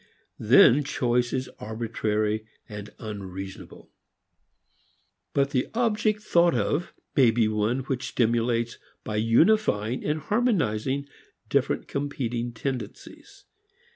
Then choice is arbitrary, unreasonable. But the object thought of may be one which stimulates by unifying, harmonizing, different competing tendencies.